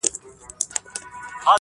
ها جلوه دار حُسن په ټوله ښاريه کي نسته.